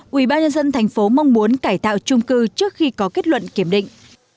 quỹ ba nhân dân thành phố mong muốn cải tạo trung cư trước khi có kết luận kiểm định